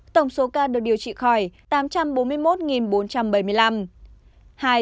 tổng số ca được điều trị khỏi tám trăm bốn mươi một bốn trăm bảy mươi năm